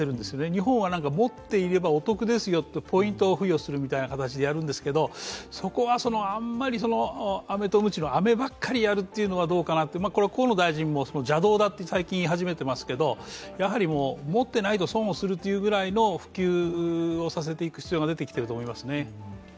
日本は持っていればお得ですよ、ポイントを付与するという形でやるんですけど、そこはあんまりあめとむちのあめばっかりやるのはどうかなってこれは河野大臣も邪道だと最近、言い始めてますけど持っていないと損をするというぐらいの普及をさせていく必要が出てきていると思いますね。